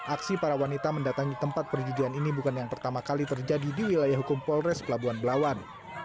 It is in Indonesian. aksi para wanita mendatangi tempat perjudian ini bukan yang pertama kali terjadi di wilayah hukum polres pelabuhan belawan